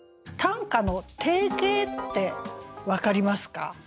短歌の定型って分かりますか？